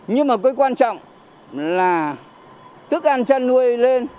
nhưng mà cái quan trọng là thức ăn chăn nuôi lên